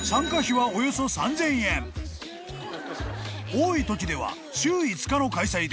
［多いときでは週５日の開催で］